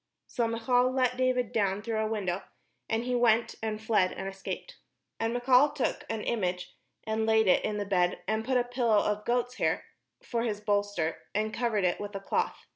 So Michal let David down through a window: and he went, and fled, and escaped. And Michal took an image, and laid it in the bed, and put a pillow of goats' hair for his bolster, and covered it with a cloth.